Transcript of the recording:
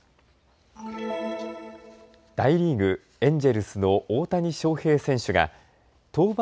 大リーグ、エンジェルスの大谷翔平選手が登板